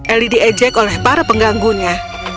eli diejek oleh para pengganggunya